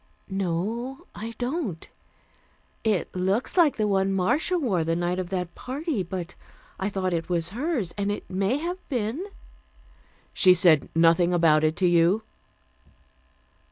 "No, I don't. It looks like the one Marcia wore the night of that party, but I thought it was hers, and it may have been." "She said nothing about it to you?"